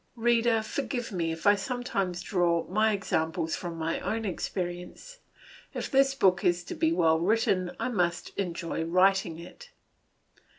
Reader, forgive me if I sometimes draw my examples from my own experience. If this book is to be well written, I must enjoy writing it.